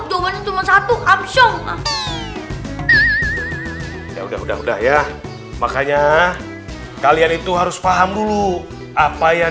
terimanya cuma satu abshow ya udah udah udah ya makanya kalian itu harus paham dulu apa yang